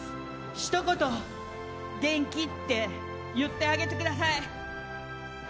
ひと言、元気？って言ってあげてください。